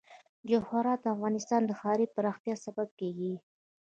جواهرات د افغانستان د ښاري پراختیا سبب کېږي.